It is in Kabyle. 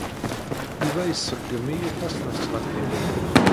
Yuba iṣeggem-iyi tasnasɣalt-inu.